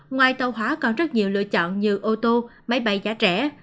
ngoài tàu hóa còn rất nhiều lựa chọn như ô tô máy bay giá rẻ